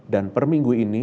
dan perminggu ini